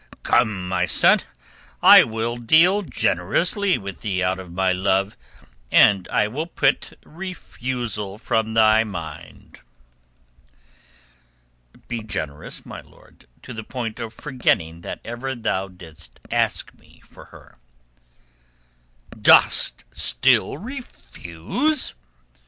"Come, my son. I will deal generously with thee out of my love, and I will put thy refusal from my mind." "Be generous, my lord, to the point of forgetting that ever thou didst ask me for her." "Dost still refuse?"